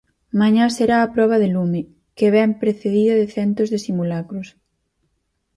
Mañá será a proba de lume, que vén precedida de centos de simulacros.